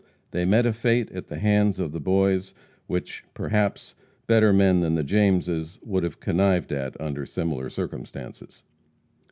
They met a fate at the hands of the boys which, perhaps, better men than the Jameses would have connived at under similar circumstances.